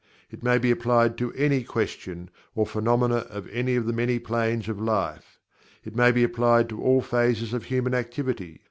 It may be applied to any question, or phenomena of any of the many planes of life. It may be applied to all phases of human activity.